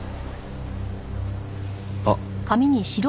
あっ。